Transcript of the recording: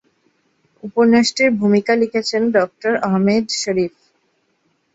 উপন্যাসটির ভূমিকা লিখেছেন ডঃ আহমেদ শরীফ।